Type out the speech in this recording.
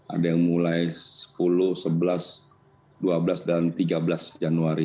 ada yang mulai sepuluh sebelas dua belas dan tiga belas januari